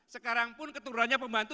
sekarang pun keturunannya pembantu